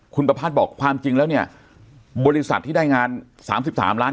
คุณประพาทบอกความจริงแล้วเนี่ยบริษัทที่ได้งานสามสิบสามล้าน